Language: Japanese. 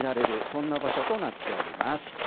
そんな場所となっています。